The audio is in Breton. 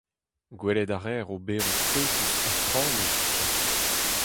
Gwelet a reer oberoù fetis ha frammus dija.